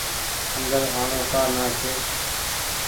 اندر آڻو ڪآ نآ ڇي۔